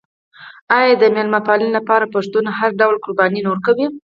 آیا د میلمه پالنې لپاره پښتون هر ډول قرباني نه ورکوي؟